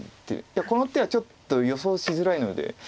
いやこの手はちょっと予想しづらいので。